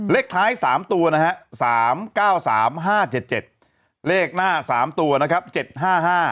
เลขท้ายสามตัวนะฮะสามเก้าสามห้าเจ็ดเจ็ดเลขหน้าสามตัวนะครับเจ็ดห้าห้า